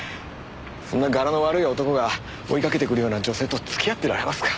そんな柄の悪い男が追いかけてくるような女性と付き合ってられますか。